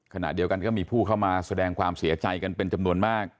ขณะเดียวกันก็มีผู้เข้ามาแสดงความเสียใจกันเป็นจำนวนมาก